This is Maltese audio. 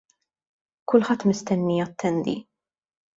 Kulħadd mistenni jattendi.